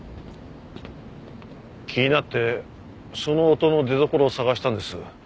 気になってその音の出どころを探したんです。